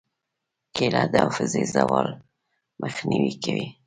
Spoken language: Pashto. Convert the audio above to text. کېله د حافظې زوال مخنیوی کوي.